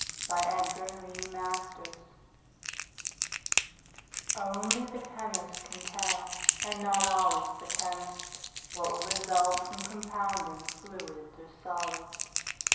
Trainor, the Druggist Only the chemist can tell, and not always the chemist, What will result from compounding Fluids or solids.